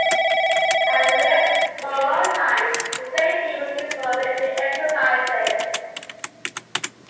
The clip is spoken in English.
After this, for a long time, the same field was used for military exercises.